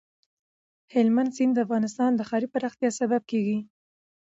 هلمند سیند د افغانستان د ښاري پراختیا سبب کېږي.